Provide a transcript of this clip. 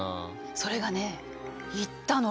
それがねいったのよ。